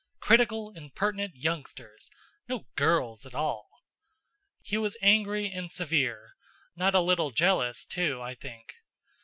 Critical, impertinent youngsters. No girls at all." He was angry and severe, not a little jealous, too, I think.